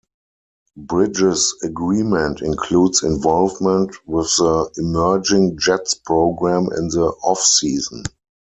Bridges' agreement includes involvement with the Emerging Jets program in the off-season.